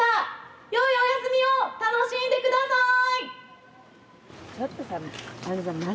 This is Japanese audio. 良いお休みを楽しんでください。